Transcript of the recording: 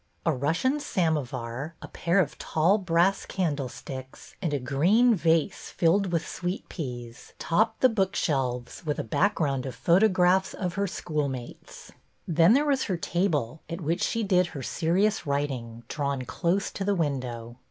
A Russian samo var, a pair of tall brass candlesticks, and a green vase filled with sweet peas, topped the book shelves, with a background of photographs of her schoolmates. Then there was her table, at which she did her serious writing, drawn close to the window.